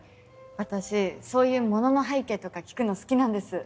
私そういう物の背景とか聞くの好きなんです。